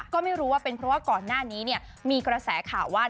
ก็ไม่รู้ว่าเป็นเพราะว่าก่อนหน้านี้เนี่ยมีกระแสข่าวว่า